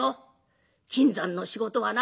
金山の仕事はな